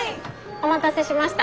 お待たせしました。